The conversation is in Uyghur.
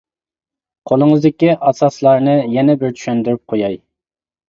قولىڭىزدىكى ئاساسلارنى يەنە بىر چۈشەندۈرۈپ قوياي.